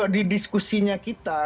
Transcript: di diskusinya kita